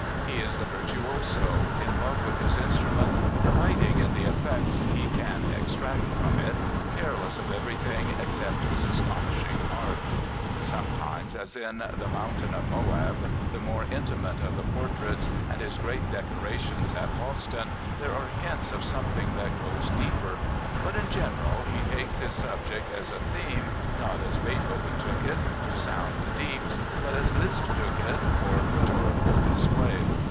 He is the virtuoso, in love with his instrument, delighting in the effects he can extract from it, careless of everything except his astonishing art. Sometimes, as in the " Mountain of Moab," the more intimate of the portraits and his great decorations at Boston, there are hints of some thing that goes deeper. But in generaJ he takes his subject as a theme, not as Beethoven took it, to sound the deeps, but as Liszt took it, for rhetorical display.